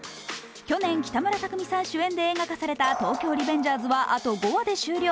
去年北村匠海さん主演で映画化された「東京卍リベンジャーズ」はあと５話で終了。